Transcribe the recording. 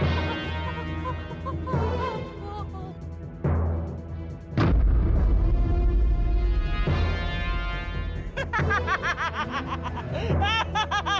kalian tinggal ke devotee first